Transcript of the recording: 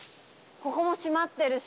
ここも閉まってるし。